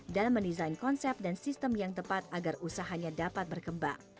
dan mendesain konsep dan sistem yang tepat agar usahanya dapat berkembang